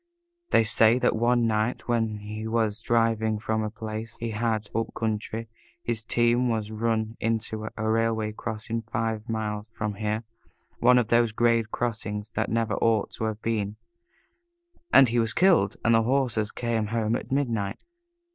They say that one night, when he was driving from a place he had up country, his team was run into at a railway crossing five miles from here one of those grade crossings that never ought to have been and he was killed and his horses came home at midnight.